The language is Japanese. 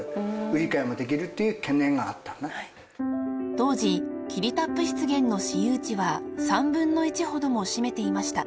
［当時霧多布湿原の私有地は３分の１ほども占めていました］